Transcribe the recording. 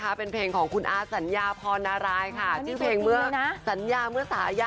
มีเพลงที่ทายธนาวุธ